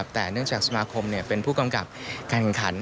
แต่เนื่องจากสมาคมเป็นผู้กำกับการแข่งขัน